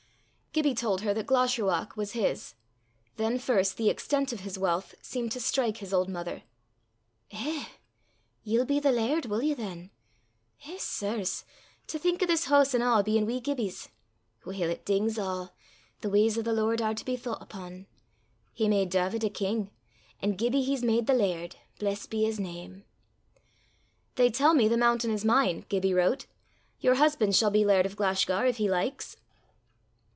Gibbie told her that Glashruach was his. Then first the extent of his wealth seemed to strike his old mother. "Eh! ye'll be the laird, wull ye, than? Eh, sirs! To think o' this hoose an' a' bein' wee Gibbie's! Weel, it dings a'. The w'ys o' the Lord are to be thoucht upon! He made Dawvid a king, an' Gibbie he's made the laird! Blest be his name." "They tell me the mountain is mine," Gibbie wrote: "your husband shall be laird of Glashgar if he likes."